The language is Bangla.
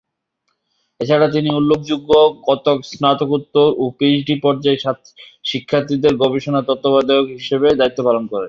এছাড়া তিনি উল্লেখযোগ্য সংখ্যক স্নাতকোত্তর ও পিএইচডি পর্যায়ের শিক্ষার্থীর গবেষণা তত্ত্বাবধায়ক হিসেবে দায়িত্ব পালন করেন।